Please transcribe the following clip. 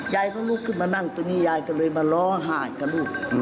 ยายก็ลุกขึ้นมานั่งตรงนี้ยายก็เลยมาล้อหาดกับลูก